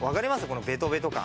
このベトベト感。